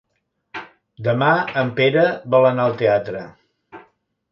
Demà en Pere vol anar al teatre.